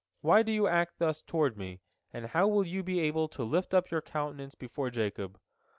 Why do you act thus toward me? And how will you be able to lift up your countenance before Jacob?